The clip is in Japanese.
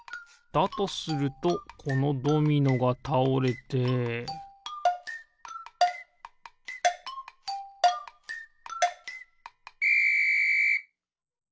だとするとこのドミノがたおれてピッ！